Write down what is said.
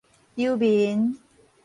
遊眠